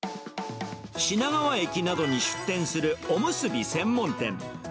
品川駅などに出店するおむすび専門店。